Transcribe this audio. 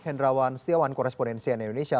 hendrawan setiawan korespondensia indonesia